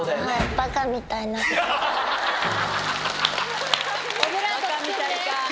バカみたいか。